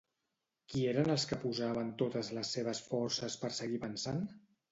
Qui eren els que posaven totes les seves forces per seguir avançant?